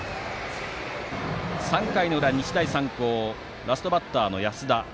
３回の裏、日大三高ラストバッターの安田。